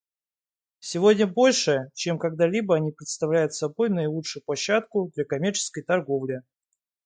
Сегодня больше, чем когда-либо, они представляют собой наилучшую площадку для коммерческой торговли.